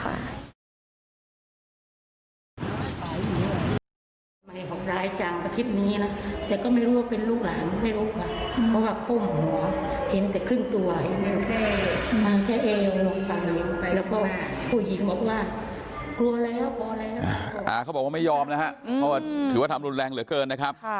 เขาบอกว่าไม่ยอมนะฮะเพราะว่าถือว่าทำรุนแรงเหลือเกินนะครับ